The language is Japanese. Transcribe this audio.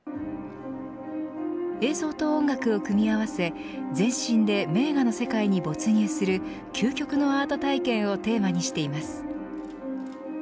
映像と音楽を組み合わせ全身で名画の世界に没入する究極のアート体験をテーマにしています。